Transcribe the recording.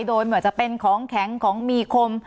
โดยเหมือนจะเป็นของแข็งของมีคม